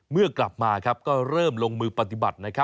เมื่อกลับมาก็เริ่มลงมือปฏิบัติ